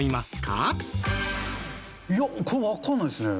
いやこれわからないですね。